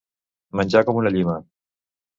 Menjar com una llima.